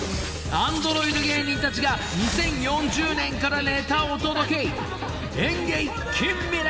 ［アンドロイド芸人たちが２０４０年からネタをお届け］